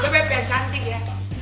bebek pianian cantik ya